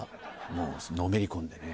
もうのめり込んでね。